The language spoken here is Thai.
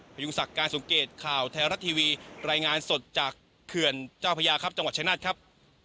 พยุงศักดิ์การสมเกตข่าวไทยรัฐทีวีรายงานสดจากเขื่อนเจ้าพญาครับจังหวัดชายนาฏครับ